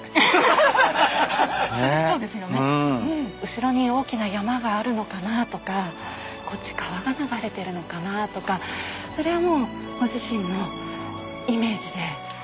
後ろに大きな山があるのかな？とかこっち川が流れてるのかな？とかそれはもうご自身のイメージで。